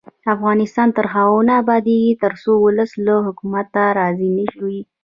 افغانستان تر هغو نه ابادیږي، ترڅو ولس له حکومته راضي نه وي.